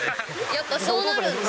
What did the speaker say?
やっぱそうなるんですか？